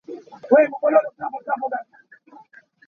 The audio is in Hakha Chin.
Hi vok hi a fa lo.